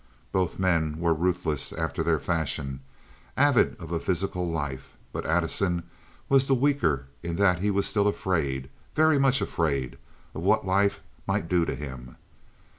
Both men were ruthless after their fashion, avid of a physical life; but Addison was the weaker in that he was still afraid—very much afraid—of what life might do to him.